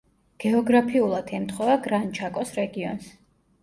გეოგრაფიულად ემთხვევა გრან-ჩაკოს რეგიონს.